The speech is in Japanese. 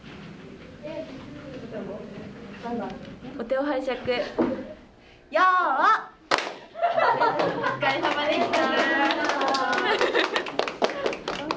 お疲れさまでした！